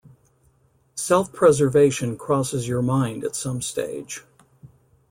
Self-preservation crosses your mind at some stage.